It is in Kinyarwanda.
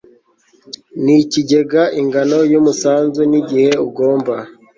n ikigega ingano y umusanzu n igihe ugomba